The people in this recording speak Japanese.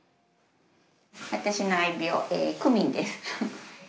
私の愛猫クミンです。